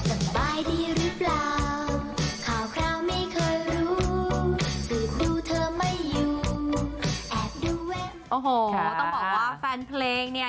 โอ้โหต้องบอกว่าแฟนเพลงเนี่ย